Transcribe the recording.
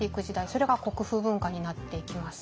それが国風文化になっていきます。